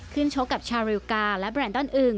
ขึ้นชกกับชาริลกาและแบรนดอนอึง